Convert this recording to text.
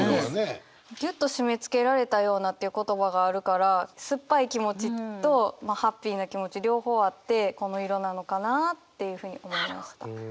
「ぎゅっとしめつけられたような」という言葉があるからすっぱい気持ちとハッピーな気持ち両方あってこの色なのかなっていうふうに思いました。